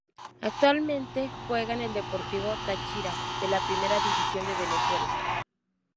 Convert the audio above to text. Actualmente juega en el Deportivo Táchira de la Primera División de Venezuela.